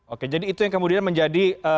oke jadi itu yang kemudian menjadi